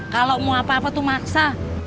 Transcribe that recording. kalau mau apa apa tuh maksa